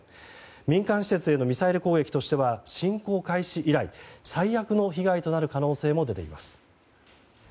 民間施設へのミサイル攻撃としては侵攻開始以来最悪の被害となる可能性も出ています。